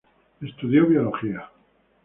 Estudió Biología.